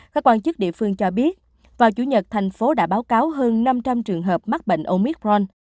các quan chức địa phương cho biết vào chủ nhật thành phố đã báo cáo hơn năm trăm linh trường hợp mắc bệnh omicron